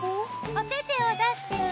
お手てを出してね。